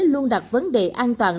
luôn đặt vấn đề an toàn